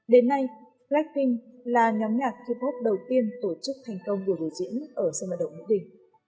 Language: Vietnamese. đến nay blackpink là nhóm nhạc k pop đầu tiên tổ chức thành công của biểu diễn ở sân mạng đậu mỹ tỉnh